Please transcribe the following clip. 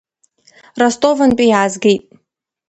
Ростовынтәи иаазгеит.